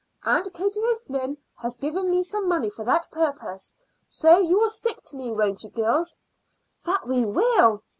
Aunt Katie O'Flynn has given me some money for that purpose. So you will stick to me, won't you girls?" "That we will!"